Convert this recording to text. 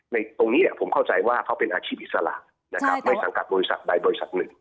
ตรงนี้ผมเข้าใจว่าเขาเป็นอาชีพอิสระนะครับไม่สังกัดบริษัทใดบริษัทหนึ่ง